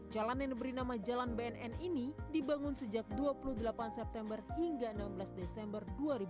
jalan yang diberi nama jalan bnn ini dibangun sejak dua puluh delapan september hingga enam belas desember dua ribu dua puluh